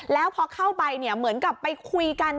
แล้วพอเข้าไปเนี่ยเหมือนกับไปคุยกัน